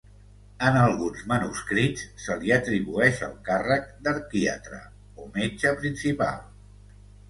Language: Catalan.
En alguns manuscrits se li atribueix el càrrec d'arquiatre, o metge principal.